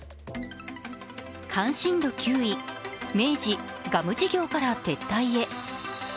関心度９位、明治、ガム事業から撤退へ。